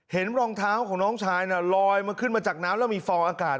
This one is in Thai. รองเท้าของน้องชายน่ะลอยมาขึ้นมาจากน้ำแล้วมีฟองอากาศ